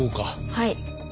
はい。